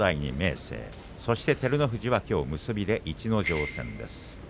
照ノ富士はきょう結びで逸ノ城戦です。